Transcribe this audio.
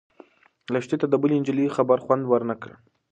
لښتې ته د بلې نجلۍ خبر خوند ورنه کړ.